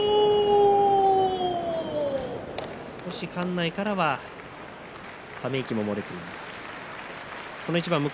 少し館内からはため息も漏れています。